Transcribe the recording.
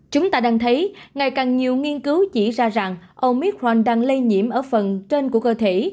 chúng ta đang thấy ngày càng nhiều nghiên cứu chỉ ra rằng omitrank đang lây nhiễm ở phần trên của cơ thể